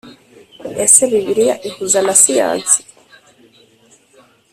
Ese Bibiliya ihuza na siyansi?